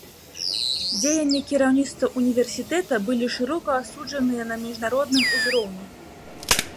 Дзеянні кіраўніцтва ўніверсітэта былі шырока асуджаныя на міжнародным узроўні.